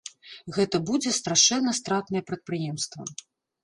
Гэта будзе страшэнна стратнае прадпрыемства.